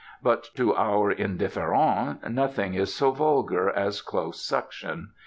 But to our indifférent, nothing is so vulgar as close suction.